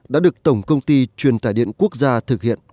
đã được tổng công ty truyền tải điện quốc gia thực hiện